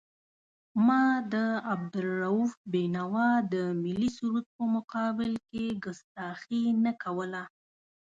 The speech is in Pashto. ما د عبدالرؤف بېنوا د ملي سرود په مقابل کې کستاخي نه کوله.